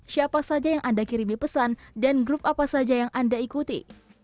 siapa saja yang anda kirimi pesan dan grup apa saja yang anda ikuti